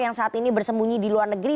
yang saat ini bersembunyi di luar negeri